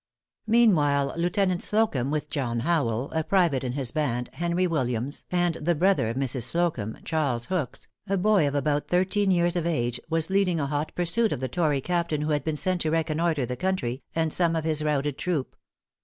Meanwhile, Lieutenant Slocumb, with John Howell, a private in his band, Henry Williams, and the brother of Mrs. Slocumb, Charles Hooks, a boy of about thirteen years of age, was leading a hot pursuit of the tory captain who had been sent to reconnoitre the country, and some of his routed troop.